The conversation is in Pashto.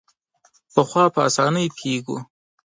پخوا په اسانۍ پوهېږو.